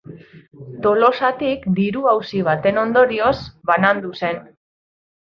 Tolosatik diru-auzi baten ondorioz banandu zen.